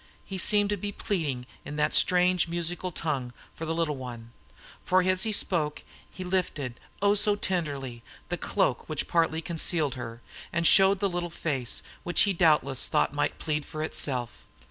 He seemed to be pleading in that strange musical tongue for the little one; for as he spoke he lifted, O, so tenderly, the cloak which partly concealed her, and showed the little face, which he doubtless thought might plead for itself.